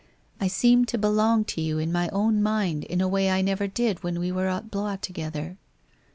I seem to belong to you in my own mind in a way I never did when we were at Blois together.